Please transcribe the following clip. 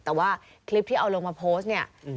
แต่ว่าคลิปที่เอาลงมาโพสต์เนี่ย